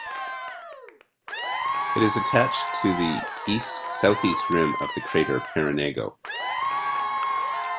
It is attached to the east-southeast rim of the crater Parenago.